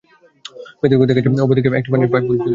ভেতরে গিয়ে দেখা যায়, ওপর থেকে একটি পানির পাইপ ঝুলে আছে।